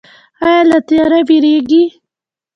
ایا له تیاره ویریږئ؟